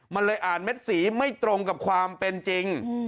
มันเลยอ่านเม็ดสีไม่ตรงกับความเป็นจริง